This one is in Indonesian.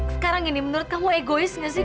sekarang ini menurut kamu egois gak sih